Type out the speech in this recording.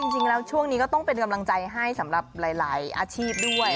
จริงแล้วช่วงนี้ก็ต้องเป็นกำลังใจให้สำหรับหลายอาชีพด้วย